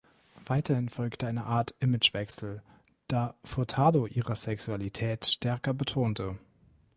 Weiterhin folgte eine Art Imagewechsel, da Furtado ihre Sexualität stärker betonte.